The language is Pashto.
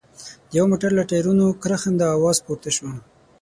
د يوه موټر له ټايرونو کرښنده اواز پورته شو.